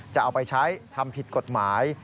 จะเอาไปใช้ทำผิดกฎหมาย